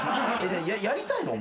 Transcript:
やりたいの？